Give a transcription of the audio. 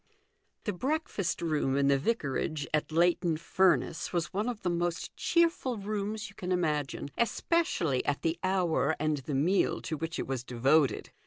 I. THE breakfast room in the vicarage at Leighton Furness was one of the most cheerful rooms you can imagine, especially at the hour and the meal to which it was devoted.